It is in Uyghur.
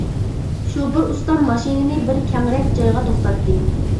شوپۇر ئۇستام ماشىنىنى بىر كەڭرەك جايغا توختاتتى.